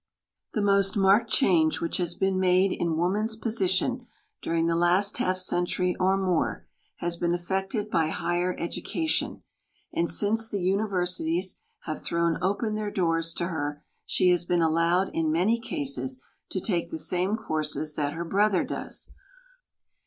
The most marked change which has been made in woman's position during the last half century or more has been effected by higher education, and since the universities have thrown open their doors to her, she has been allowed, in many cases, to take the same courses that her brother does.